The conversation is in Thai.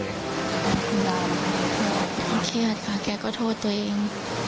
เขาเครียดค่ะแกก็โทษตัวเอง